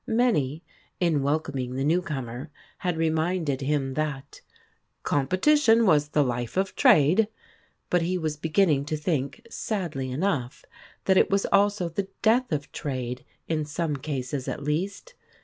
Many, in welcoming the new comer, had reminded him that "competition was the life of trade," but he was beginning to think, sadly enough, that it was also the death of trade, in some cases at least.